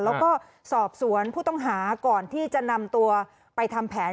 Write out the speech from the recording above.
แล้วก็สอบสวนผู้ต้องหาก่อนที่จะนำตัวไปทำแผน